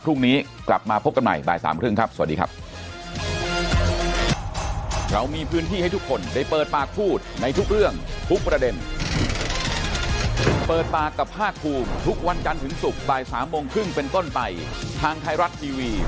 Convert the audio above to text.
พรุ่งนี้กลับมาพบกันใหม่บ่ายสามครึ่งครับสวัสดีครับ